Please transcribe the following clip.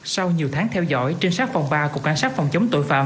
sau nhiều tháng theo dõi trinh sát phòng ba cục cảnh sát phòng chống tội phạm